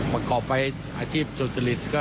ประกอบไปอาชีพสุจริต